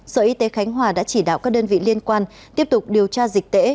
sở y tế khánh hòa đã chỉ đạo các đơn vị liên quan tiếp tục điều tra dịch tễ